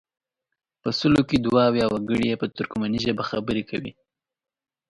په سلو کې دوه اویا وګړي یې په ترکمني ژبه خبرې کوي.